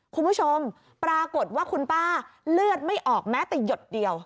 คุณผู้ชมปรากฏว่าคุณป้าเลือดไม่ออกแม้แต่หยดเดียว